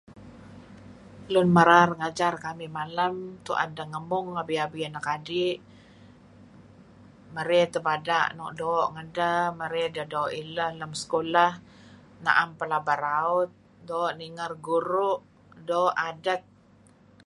Lun merar ngajar kamih malem tuen dah ngemung abi-abi anak adi' maey tabada' nuk doo-doo' ngadah marey dah doo' ilah lm sekolah naem pelaba raut doo' ninger guru' doo' adat .